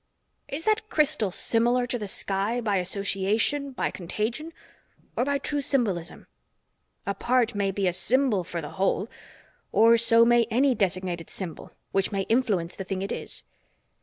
Is that crystal similar to the sky, by association, by contagion, or by true symbolism? A part may be a symbol for the whole or so may any designated symbol, which may influence the thing it is.